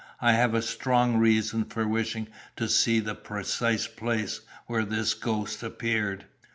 I have a strong reason for wishing to see the precise place where this ghost appeared."